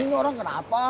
itu udah kelihatan